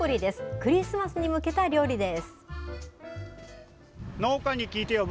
クリスマスに向けた料理です。